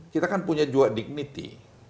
kita kan punya dua dignity